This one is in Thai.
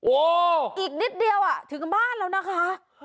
อีกนิดเดียวถึงบ้านแล้วนะคะ